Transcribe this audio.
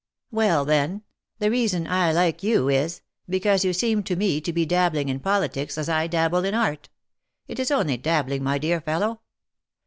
Well, then, the reason I like you is, because you seem to me to be dabbling in politics as I dabble in Art. It is only dabbling, my dear fellow."